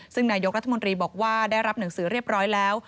ซึ่งนายกรัฐมนตรีบอกว่าได้รับหนังสือเรียบร้อยแล้ว